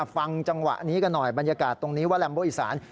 ฟังจังหวะนี้กันหน่อยบรรยากาศตรงนี้ว่าแรมโบอีสาน